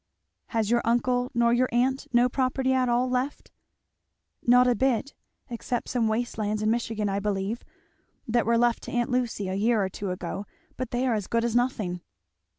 "Has your uncle nor your aunt no property at all left?" "Not a bit except some waste lands in Michigan I believe, that were left to aunt Lucy a year or two ago; but they are as good as nothing."